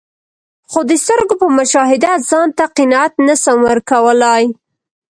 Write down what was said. خو د سترګو په مشاهده ځانته قناعت نسم ورکول لای.